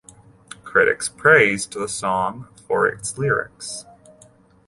Critics praised the song for its lyrics.